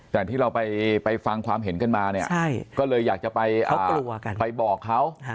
แต่ที่เราไปฟังความเห็นกันมาเนี่ยก็เลยอยากจะไปบอกเขา